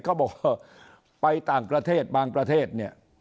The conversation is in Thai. เขาบอกว่าไปต่างประเทศบางประเทศเนี่ย